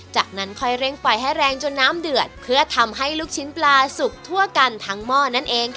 จากนั้นค่อยเร่งปล่อยให้แรงจนน้ำเดือดเพื่อทำให้ลูกชิ้นปลาสุกทั่วกันทั้งหม้อนั่นเองค่ะ